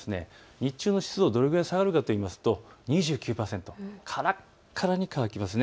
日中は湿度どれくらい下がるかといいますと２９％、からからに乾きます。